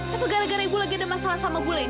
apa gara gara ibu lagi ada masalah sama bu leni